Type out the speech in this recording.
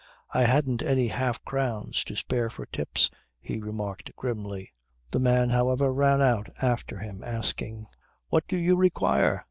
"I hadn't any half crowns to spare for tips," he remarked grimly. The man, however, ran out after him asking: "What do you require?"